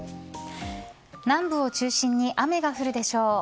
南部を中心に雨が降るでしょう。